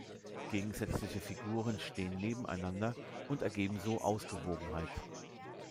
Gegensätzliche Figuren stehen nebeneinander und ergeben so Ausgewogenheit.